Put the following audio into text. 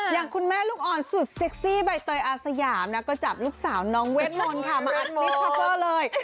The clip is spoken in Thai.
อย่างคุณแม่ลูกอ่อนสุดเซ็กซี่ใบเตยอาสยามนะก็จับลูกสาวน้องเวทมนต์ค่ะมาอัดลิคอปเวอร์เลย